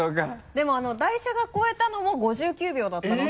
でも台車が越えたのも５９秒だったので。